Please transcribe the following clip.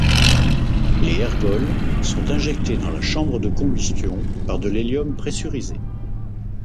Les ergols sont injectés dans la chambre de combustion par de l'hélium pressurisé.